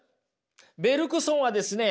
ベルクソンはですね